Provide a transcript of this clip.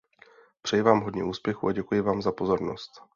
Přeji vám hodně úspěchů a děkuji vám za pozornost.